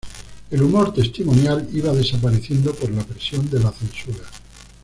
El humor testimonial iba desapareciendo por la presión de la censura.